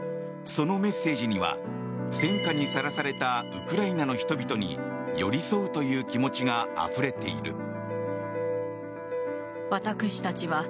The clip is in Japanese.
そのメッセージには戦火にさらされたウクライナの人々に寄り添うという気持ちがあふれている。